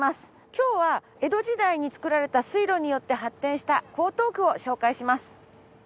今日は江戸時代に作られた水路によって発展した江東区を紹介します。